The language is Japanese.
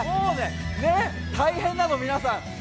大変なの、皆さん。